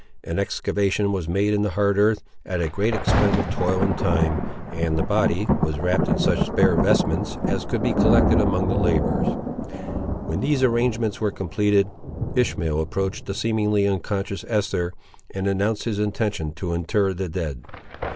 An excavation was made in the hard earth, at a great expense of toil and time, and the body was wrapped in such spare vestments as could be collected among the labourers. When these arrangements were completed, Ishmael approached the seemingly unconscious Esther, and announced his intention to inter the dead.